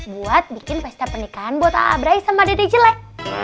buat bikin pesta pernikahan buat abrai sama dede jelek